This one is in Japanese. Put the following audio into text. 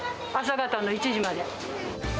朝方の１時まで。